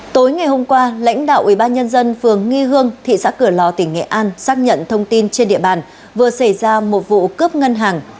tối ngày hôm qua lãnh đạo ủy ban nhân dân phường nghi hương thị xã cửa lò tỉnh nghệ an xác nhận thông tin trên địa bàn vừa xảy ra một vụ cướp ngân hàng